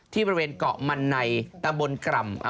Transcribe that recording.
ที่บริเวณเกาะมันในตะบนกรำอำเภอกแกลง